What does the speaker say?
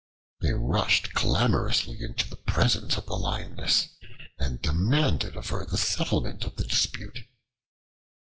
They rushed clamorously into the presence of the Lioness and demanded of her the settlement of the dispute.